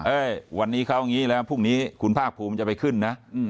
แล้วก็มาตั้งศาลที่บรจกรวันนี้เขาอย่างนี้แล้วพรุ่งนี้คุณภาคภูมิจะไปขึ้นนะ